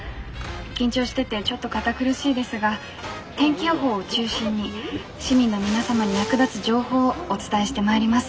緊張しててちょっと堅苦しいですが天気予報を中心に市民の皆様に役立つ情報をお伝えしてまいります。